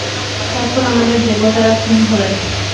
তারপর আমাদের দেবতারা খুন হলেন।